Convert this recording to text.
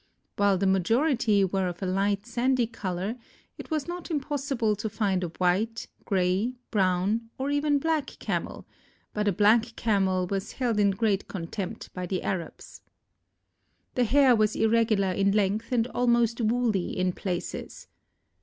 While the majority were of a light sandy color, it was not impossible to find a white, grey, brown or even black Camel, but a black Camel was held in great contempt by the Arabs. The hair was irregular in length and almost woolly in places.